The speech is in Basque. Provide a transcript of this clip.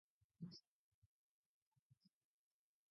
Bidasoa ibaiaren ondoan dago kluba.